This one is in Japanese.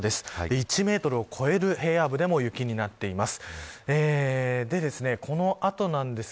１メートルを超える平野部でも雪になっています。